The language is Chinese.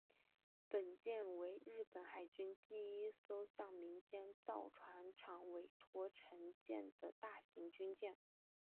本舰为日本海军第一艘向民间造船厂委托承建的大型军舰。